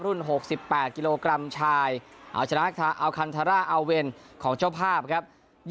๖๘กิโลกรัมชายเอาชนะอัลคันธาร่าอาเวนของเจ้าภาพครับ